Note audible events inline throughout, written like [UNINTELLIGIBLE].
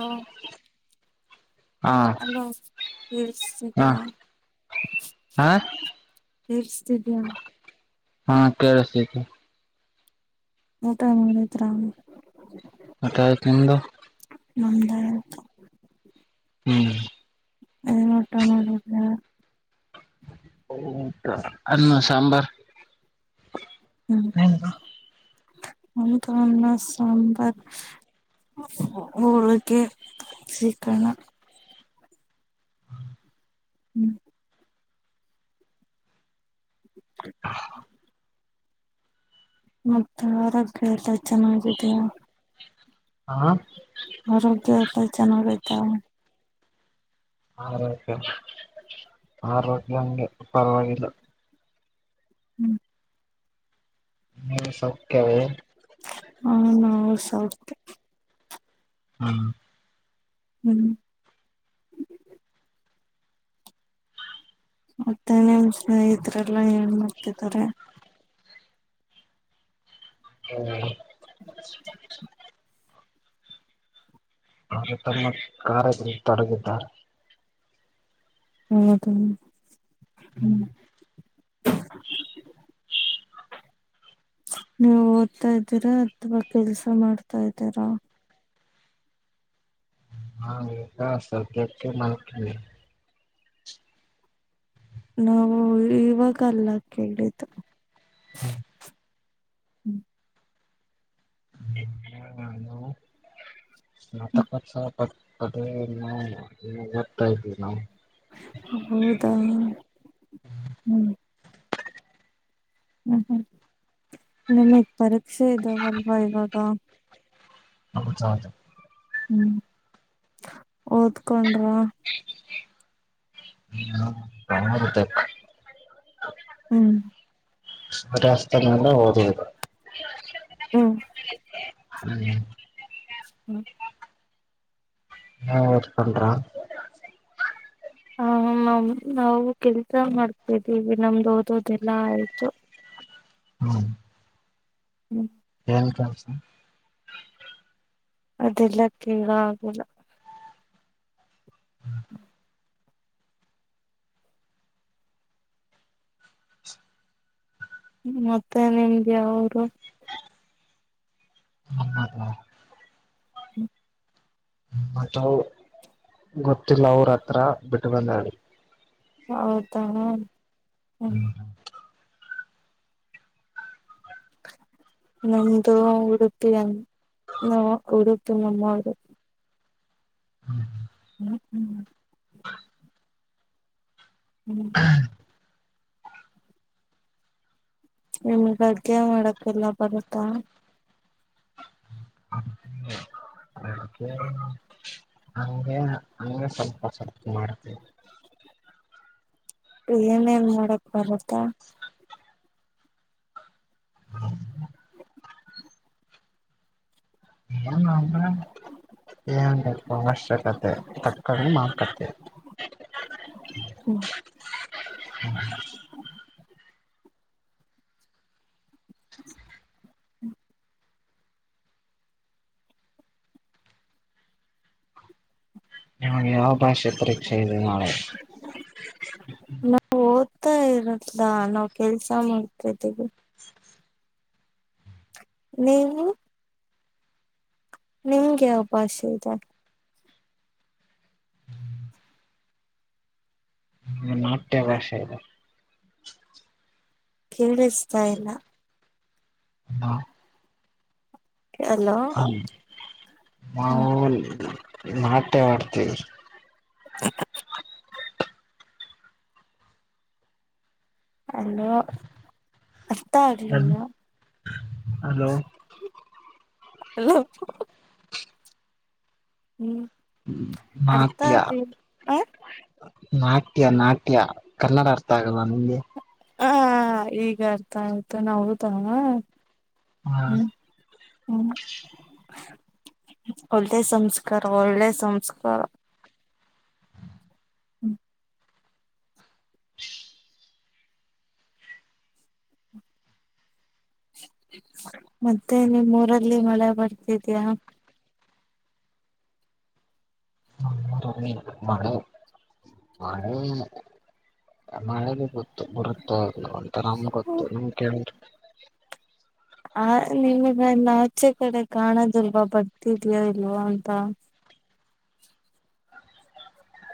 ಹ್ ಹಾ ಹಲೋ ಹಾ ಕೆಳಸ್ತಿದಿಯಾ. ಹಾ ಕೇಳಸ್ತೀದಿಯಾ. ಹಾ ಕೇಳಸ್ತಾ ಐತೆ ಊಟ ಮಾಡದ್ರ ಅಕ್ಕ ಆಯ್ತು ನಿಮ್ಮದು ನಮ್ಮದ್ ಆಯ್ತು ಹ್ಮ್ ಏನ್ ಊಟ ಮಾಡಿದ್ರ. ಊಟ ಅನ್ನು ಸಾಂಬಾರ್. ಹ್ಮ ಹೌದು ಅನ್ನ ಸಾಂಬಾರ್. ಒಳಗೆ ಚಿಕ್ಕಣ ಹ್ಮ್ [INAUDIBLE] ಹ ಮತ್ತ ಆರೋಗ್ಯ ಎಲ್ಲಾ ಚೆನ್ನಾಗಿದಿಯಾ. ಹಾ ಆರೋಗ್ಯ ಎಲ್ಲಾ ಚೆನ್ನಾಗೈತ. ಆರೋಗ್ಯ ಆರೋಗ್ಯ ಹಂಗೆ ಪರವಾಗಿಲ್ಲ. ಹ್ಮ್ ನೀವು ಸೌಖ್ಯವೇ. ಹ ನಾ ಸೌಖ್ಯ. ಹ್ಮ ಹ್ಮ್ ಮತ್ತೆ ನಿಮ್ ಸ್ನೇಹಿತ್ರೆಲ್ಲ ಏನ್ ಮಾಡ್ತಿದ್ದಾರೆ? ಹ್ಮ್ ಅವ್ರು ತಮ್ಮ ಕಾರ್ಯದಲ್ಲಿ ತೊಡಗಿದ್ದಾರೆ. ಹೌದ ಹ್ಮ. ನೀವು ಓದ್ತಾ ಇದ್ದೀರಾ ಅಥವಾ ಕೆಲ್ಸ ಮಾಡ್ತಾ ಇದ್ದೀರಾ? ಹಾ ಈಗ ಸದ್ಯಕ್ಕೆ ಮಾಡಕ ನಾವು ಇವಾಗಲ್ಲ ಕೇಳಿದ್ದು. ಹ್ಮ [UNINTELLIGIBLE] [INAUDIBLE] ಅದೇ ನಾವ್ ಓತಾಯಿದ್ವಿ ನಾವು. ಹೌದಾ? ಹ್ಮ್ ಹ್ಮ್ ಹ್ಮ್ ನಿಮಗ್ ಪರೀಕ್ಷೆ ಇದಾವಲ್ವಾ ಇವಾಗ? ಹೌದಾದೆ. ಹ್ಮ್ ಓದ್ಕೊಂಡ್ರ [INAUDIBLE] ಹ್ಮ [UNINTELLIGIBLE] ಹ್ಮ್. [UNINTELLIGIBLE] ಹ್ಮ್ ಹ್ಮ ಹ್ಮ್. ನೀವು ಓದ್ಕೊಂಡ್ರಾ. ಹ ನಮ್ ನಾವು ಕೆಲ್ಸ ಮಾಡ್ತಿದ್ದೀವಿ ನಮ್ದು ಓದೋದೆಲ್ಲ ಆಯ್ತು. [INAUDIBLE] ಹ್ಞ್ ಏನ್ ಕೆಲ್ಸ? ಅದೆಲ್ಲ ಕೇಳೋ ಆಗಿಲ್ಲ. [INAUDIBLE] ಮತ್ತೆ ನಿಮ್ದು ಯಾವುರು? ನಮ್ಮದ? ಹ್ಮ ಮತವ್ ಗೊತ್ತಿಲ್ಲ ಅವ್ರ ಹತ್ರ ಬಿಟ್ಟು ಬಂದಾ. ಹೌದಾ ಹ್ಮ ಹ್ಮ್. ನಮ್ದು ಉಡುಪಿಯ ನ ಉಡುಪಿ ನಮ್ಮೂರು ಹ್ಮ ಹ್ಞೂ ಹ್ಞೂ ಹ ಹ್ಮ್ ನಿಮ್ಗಡ್ಗೆ ಮಾಡಕೆಲ್ಲ ಬರುತ್ತಾ ಅಡ್ಗೇ ಹಗೆ ಹಂಗೆ ಸ್ವಲ್ಪ ಸ್ವಲ್ಪ ಮಾಡ್ತವಿ ಏನೇನ್ ಮಾಡಕ್ ಬರತ್ತೇ [UNINTELLIGIBLE] ಏ ಅವಶಕತೆ ತಕ್ಕಳ ಮಾಡಕತೆೆ ಹಾಞ [INAUDIBLE] ನಿಮ್ಗ್ ಯಾವ ಭಾಷೆ ಪರೀಕ್ಷೆ ಇದೆ ನಾಳೆ? ನಾವು ಓದ್ತಾ ಇರದಾ ನಾವು ಕೆಲ್ಸ ಮಾಡತಿದ್ದೀವಿ ನೀವು ನಿಮ್ಗೆ ಯಾವ್ಭಾಷೆ ಇದೆ? ಹ ನಾಟ್ಯ ಭಾಷೆ ಇದೆ ಕೇಳಿಸ್ತಾ ಇಲ್ಲ ಹ ಹಲೋ- ಹ ನಾವು ನಾಟ್ಯ ಆಡ್ತೀವಿ - [INAUDIBLE] ಅಲ್ಲ ಅರ್ಥ ಆಗ್ಲಿಲ್ಲ ಹಲೋ- ಹಲೋ. ಹ್ಮ್ ಅರ್ಥ ನಾಟ್ಯ. ಆಗ್ಲಿಲ್ಲ ನಾಟ್ಯ ನಾಟ್ಯ ಕನ್ನಡ ಅರ್ಥ ಆಗಲ್ವಾ ನಿಮಗೆ. ಹ ಈಗ ಅರ್ಥ ಆಯ್ತು ನೌದಾ ಹ್ಮ್ ಹ್ಮ್ ಒಳ್ಳೆ ಸಂಸ್ಕಾರ ಒಳ್ಳೆ ಸಂಸ್ಕಾರ. ಹ್ಮ್ ಮತ್ತೆ ನಿಮ್ಮೂರಲ್ಲಿ ಮಳೆ ಬರ್ತಿದ್ಯಾ? ನಮ್ಮೂರಲ್ಲಿ ಮಳೆ. ಮಳೆ ಇಲ್ಲ ಮಳೆಗೆ ಬರುತ್ತೋ ಇಲ್ವೋ ಅಂತ. ತ ನಾಮ್ಗೊತ್ತು ನಿಮ್ ಕೇಳ್ದ್ರೆ. ಆ ನಿಮಗೇನ್ ಆಚೆ ಕಡೆ ಕಾಣದಿಲ್ವಾ ಬರ್ತಿದ್ಯಾ ಇಲ್ವಾ ಅಂತ.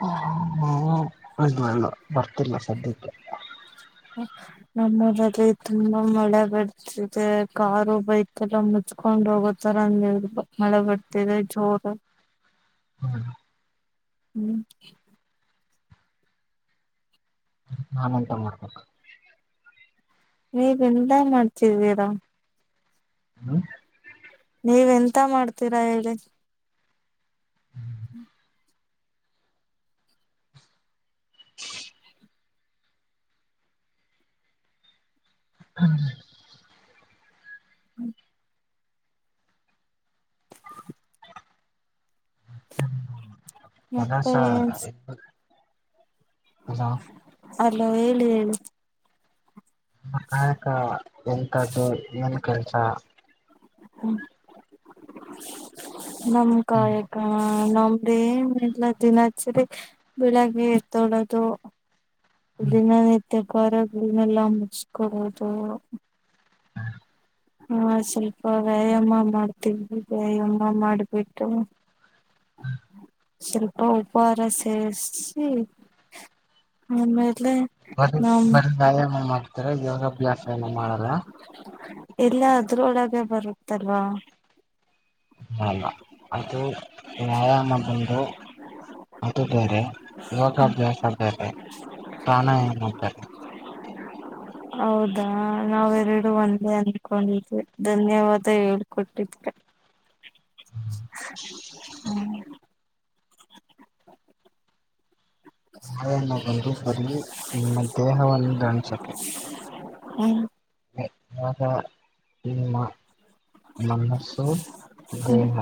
ಹ್ಮ್ ಇದು ಇಲ್ಲ ಬರ್ತಿಲ್ಲ ಸದ್ಯಕ್ಕೆ. ನಮ್ಮೂರಗೆ ತುಂಬಾ ಮಳೆ ಬರ್ತ ದೆ ಕಾರು ಬೈಕ್ ಎಲ್ಲ ಮುಚ್ಕೊಂಡ್ ಹೋಗೋತರ ಮಳೆ ಬರ್ತಿದೆ ಜೋರಾಗ್. ಹ್ಮ್ ಹ್ಮ ಹ್ಮ್ ನಾವೆಂತ ಮಾಡ್ಬೇಕು-? ಹೇಗೆಂದ ಮಾಡ್ತಿದೀರಾ ಹ್ಮ ನೀವೆಂತ ಮಾಡ್ತೀರಾ ಹೇಳಿ. [INAUDIBLE] [INAUDIBLE] ಹ್ಮ [INAUDIBLE] ಹ್ಮ [UNINTELLIGIBLE] ಹ ಮತ್ತೆ ಎಲ್ಲಸ [UNINTELLIGIBLE] ಅಲ್ಲ ಹೇಳಿ ಹೇಳಿ. ತಮ್ಮ ಕಾಯಕ ಎಂತದ್ದು ಏನ್ ಕೆಲ್ಸ. ಹ್ಮ ನಮ್ ಹ್ಮ್ ಕಾಯಕ ಹ ನಂಬ್ರಿ ಏನ್ಲ್ಲಇಲ್ಲ ದಿನಚರಿ ಬೆಳಗ್ಗೆ ಎದೇಅಳೋತು ದಿನ ನಿತ್ಯಕಾರಗಳನ್ನೆಲ್ಲ ಮುಚ್ಕೋದು ಹಾ ಸ್ವಲ್ಪ ವ್ಯಾಯಾಮ ಮಾಡ್ತವಿ ವ್ಯಾಯಾಮ ಮಾಡ್ಬಿಟ್ಟು ಸ್ವಲ್ಪ ಉಪಹಾರ ಸೇಸಿ [UNINTELLIGIBLE] ಆಮೇಲೆ ಬರ ನಮ್ ಬರ ವ್ಯಾಯಾಮ ಮಾಡ್ತಾರೆ ಯೋಗಾಭ್ಯಾಸ ಏನ ಮಾಡಲ್ಲ [UNINTELLIGIBLE] ಎಲ್ಲ ಅದ್ರೊಳಗೆ ಬರುತ್ತಲ್ವಾ. ಅಲ್ಲ ಅದು ವ್ಯಾಯಾಮ ಬಂದು. ಅದು ಬೇರೆ ಯೋಗಾಭ್ಯಾಸ ಬೇರೆ ಪ್ರಾಣಾಯಾಮ ಬೇರೆ ಹೌದಾ ನಾವೆರಡು ಒಂದೇ ಅನ್ಕೊಂಡಿದ್ವಿ ಧನ್ಯವಾದ ಹೇಳ್ಕೊಟ್ಟಿಕೆ [UNINTELLIGIBLE] ಹ್ಮ್ [UNINTELLIGIBLE] ಹ್ಮ್ ಮಳನ್ನು ಬಂದು ಬರೀ ನಿಮ್ಮ ದೇಹವನ್ನು ದ ಣಿಸುತ್ತೆ [UNINTELLIGIBLE] ಹ್ಮ್ ನಕ ನಿಮ್ಮ [INAUDIBLE] ಮನಸ್ಸು ದೇಹ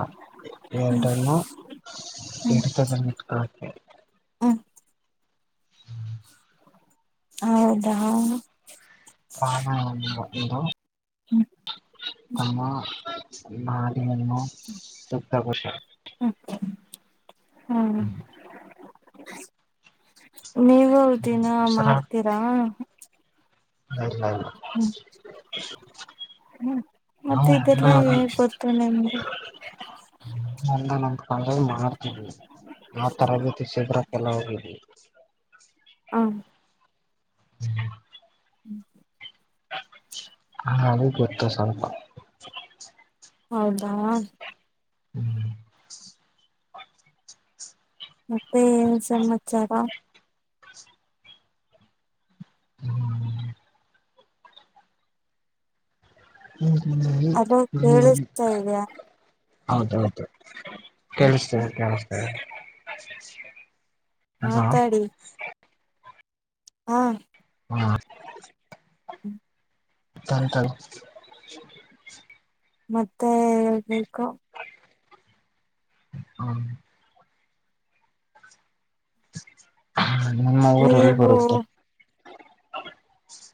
ಎರಡನ್ನು [UNINTELLIGIBLE] [UNINTELLIGIBLE] ಹ್ಮ್ ಹಿಡೆತದಲ್ಲಿ ಇಟ್ಕೊಳಕ್ ಹ್ಮ್ ಹ್ಮ ಹೌದಾ ಹಾ [INAUDIBLE] ನಾನದು ಹ್ಮ್ ತಮ್ಮ [INAUDIBLE] ಹಾ ಹ್ಮ [UNINTELLIGIBLE] ನೀವೇ ಹ ದಿನ ಮಾಡ್ತೀರಾ ಇಲ್ಲ ಇಲ್ಲ ಹ್ಮ್ [UNINTELLIGIBLE] ಹ್ಮ್ ಮತ್ತೆ ನಾವು ಇದೆಲ್ಲ ಹೇಗ್ ಗೊತ್ತು ನಿಮ್ಗೆ [UNINTELLIGIBLE] ಮಾಡ್ತೀ ಆವ ತರಬೇತಿ ಶಬರಕ್ಕೆಲ್ಲ ಹೋಗವಿ ಹಾಂ ಹ್ಞೂ [UNINTELLIGIBLE] ಹಾ ಅದು ಗೊತ್ತಾ ಸ್ವಲ್ಪ ಹೌದಾ ಹ್ಮ್ [INAUDIBLE] ಮತ್ತೆ ಏನು ಸಮಾಚಾರ ಹ್ಮ್ ಹ್ಮ್ ಅದು ಹ ಕೇಳಿಸ್ತಾ ಇದೆಯಾ [INAUDIBLE] ಹೌದೌದು [UNINTELLIGIBLE] ಕೇಳ್ತಾ ಇದೆ ಕೇಳ್ತ ಇದೆ [UNINTELLIGIBLE] ಮಾತಾಡಿ ಹಾ ಹ್ಮ ಹ್ಮ ತ ತಾಯ [UNINTELLIGIBLE] ಮತ್ತೆ ಹೇಳ್ಬೇಕು [UNINTELLIGIBLE] ಹ್ಮ ನಿಮ್ ಊರಲ್ಲಿ ಅಲ್ಲಿ ನೀವು ಬರುತ್ತೆ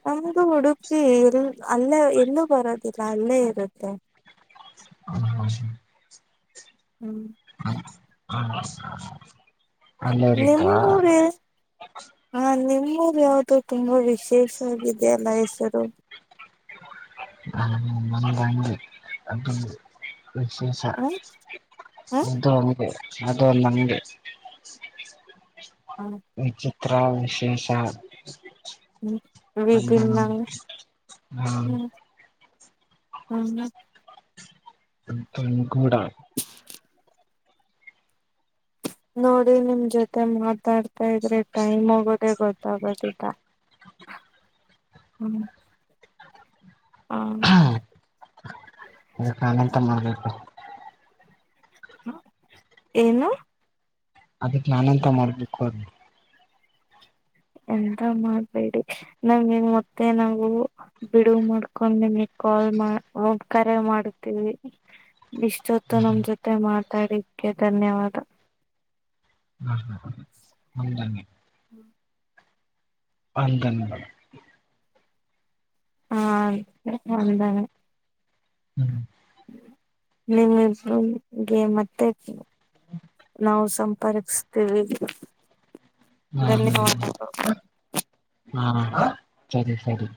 ನಮ್ದು ಉಡುಪಿ ಎಲ್ ಅಲ್ಲೇ ಎಲ್ಲೂ ಬರೋದಿಲ್ಲ ಅಲ್ಲೇ ಇರುತ್ತೆ ಹ ಹೌ ಹ್ಮ್ ಹ ಹ್ಮ ನಿಮ್ಮೂರೆ ಹಾ ನಿಮ್ಮೂರು ಯಾವುದು ತುಂಬಾ ವಿಶೇಷವಾಗಿದೆಯಲ್ಲ ಹೆಸರು. ಹ್ಮ [UNINTELLIGIBLE] ನ ಅ ವಿಶೇಷ ಹ ಹ ಅದು ಅಂಗೆ ಅದು ನಮಗೆ ಹಾ ವಿಚಿತ್ರ ವಿಶೇಷ ಹ್ಮ್ ಅಲ್ಲ ವಿಭಿನ್ನ ಹಾ ಹ್ಮ ಹ್ಮ್ ಮತ್ತು ನಿಗೂಢ ನೋಡಿ ನಿಮ್ ಜೊತೆ ಮಾತಾಡ್ತಾ ಇದ್ರೆ ಟೈಮ್ ಹೋಗೋದೆ ಗೊತ್ತಾಗೋದಿಲ್ಲ. ಹ್ಮ್ ಹಾ ಅದಕ್ಕ ಏನ್ ಎಂತ ಮಾಡ್ಬೇಕು. ಏನು ಅದಕ್ ನಾನ ಅಂತ ಮಾಡ್ಬೇಕು ಅವ್ ಎಂತ ಮಾಡ್ಬೇಡಿ ನಮ್ಗೆ ಮತ್ತೆ ನಾವು ಬಿಡು ಮಾಡ್ಕೊಂಡು ನಿಮಗ್ ಕಾಲ್ ಮಾಡ್ ಕರೆ ಮಾಡತೀವಿ. ಇಷ್ಟೊತ್ತು ನಮ್ಮ್ ಜೊತೆ ಮಾತಾಡಿದಕ್ಕೆ ಧನ್ಯವಾದ. ಬ [UNINTELLIGIBLE] ಹದಿ [UNINTELLIGIBLE] ಹ್ಮ್ ಅಧನ್ವ [UNINTELLIGIBLE] ಹಾ ಒಂದನೆ ಹ್ಮ್ ನಿಮ್ ಯಜಮಾನಗೆ ಮತ್ತೆ [UNINTELLIGIBLE] ನಾವು ಸಂಪರ್ಕಿಸ್ತೀವಿ. ಹ್ಮ್ ಹ್ಮ್ ಧನ್ಯವಾದಗಳು ಹ್ಮ ಹಾ ಸರಿ ಸರಿ